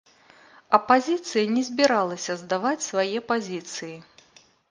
Апазіцыя не збіралася здаваць свае пазіцыі.